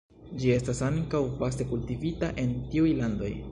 Ĝi estas ankaŭ vaste kultivita en tiuj landoj.